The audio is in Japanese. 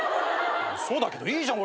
そうだけどいいじゃん。